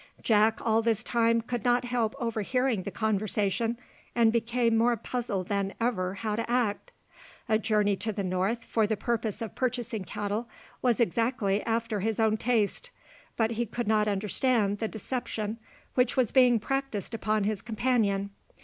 Jack all this time could not help overhearing the conversation, and became more puzzled than ever how to act. A journey to the north for the purpose of purchasing cattle was exactly after his own taste, but he could not understand the deception which was being practised upon his companion.